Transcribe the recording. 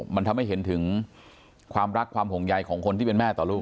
มันทำให้เห็นถึงความรักความห่วงใยของคนที่เป็นแม่ต่อลูก